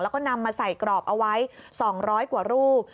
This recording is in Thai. แล้วก็นำมาใส่กรอบเอาไว้๒๐๐กว่ารูป